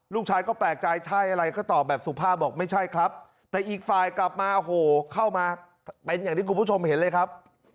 ลูกชายก็แปลกใจใช่อะไรก็ตอบแบบสุภาพบอกไม่ใช่ครับแต่อีกฝ่ายกลับมาโอ้โหเข้ามาเป็นอย่างที่คุณผู้ชมเห็นเลยครับ